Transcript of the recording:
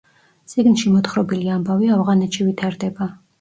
წიგნში მოთხრობილი ამბავი ავღანეთში ვითარდება.